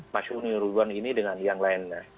mas humi ribon ini dengan yang lainnya